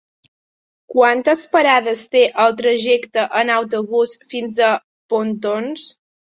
Quantes parades té el trajecte en autobús fins a Pontons?